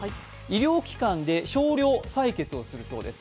医療機関で少量、採血をするそうです。